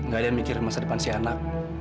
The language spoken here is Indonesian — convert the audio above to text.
gak ada yang mikir masa depan si anak